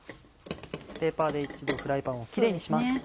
ペーパーで一度フライパンをキレイにします。